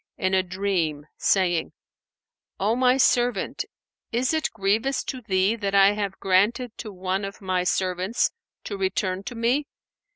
in a dream saying, 'O my servant, is it grievous to thee that I have granted to one of My servants to return to Me?